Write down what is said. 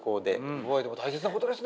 すごいでも大切なことですね。